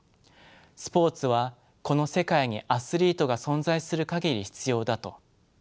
「スポーツはこの世界にアスリートが存在する限り必要だ」と。